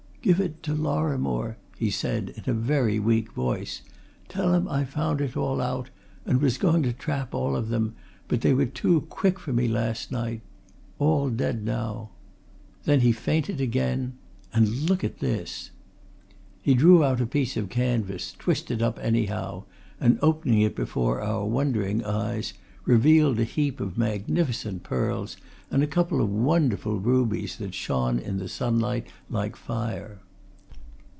'Give it Lorrimore,' he said, in a very weak voice. 'Tell him I found it all out was going to trap all of them but they were too quick for me last night all dead now.' Then he fainted again. And look at this!" He drew out a piece of canvas, twisted up anyhow, and opening it before our wondering eyes, revealed a heap of magnificent pearls and a couple of wonderful rubies that shone in the sunlight like fire.